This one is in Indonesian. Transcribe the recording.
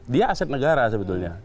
dia aset negara sebetulnya